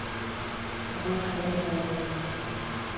আমরা সবাই তাই বলি।